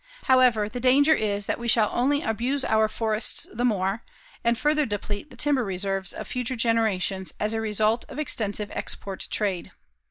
However, the danger is that we shall only abuse our forests the more and further deplete the timber reserves of future generations as a result of extensive export trade.